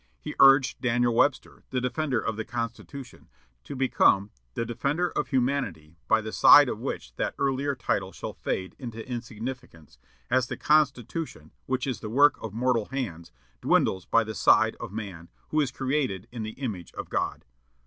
He urged Daniel Webster, the Defender of the Constitution, to become the "Defender of Humanity," "by the side of which that earlier title shall fade into insignificance, as the Constitution, which is the work of mortal hands, dwindles by the side of man, who is created in the image of God."